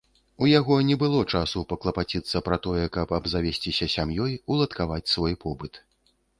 У яго не было часу паклапаціцца пра тое, каб абзавесціся сям'ёй, уладкаваць свой побыт.